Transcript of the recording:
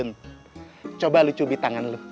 yun coba lu cubit tangan lu